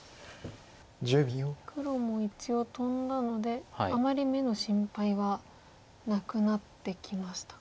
黒も一応トンだのであまり眼の心配はなくなってきましたか？